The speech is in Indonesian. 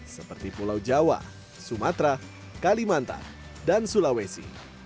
seperti pulau jawa sumatera kalimantan dan sulawesi